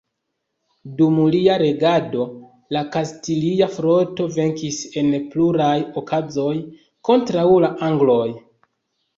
Dum lia regado, la kastilia floto venkis en pluraj okazoj kontraŭ la angloj.